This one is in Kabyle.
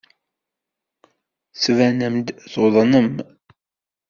Tettbanem-d tuḍnem.